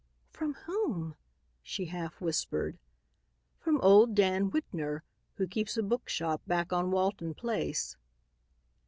"From whom?" she half whispered. "From old Dan Whitner, who keeps a bookshop back on Walton place."